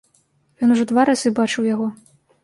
Ён ужо два разы бачыў яго!